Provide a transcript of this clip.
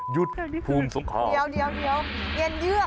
ยุดภูมิสงฆามเดี๋ยวเย็นยืิ้อก